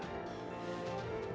ini masih rapi dan aman